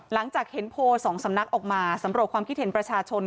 หลังจากเห็นโพลสองสำนักออกมาสำรวจความคิดเห็นประชาชน